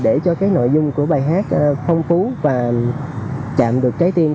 để cho cái nội dung của bài hát phong phú và chạm được trái tim của mình